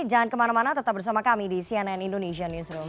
jangan kemana mana tetap bersama kami di cnn indonesia newsroom